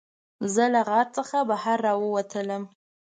زه له غار څخه بهر راووتلم.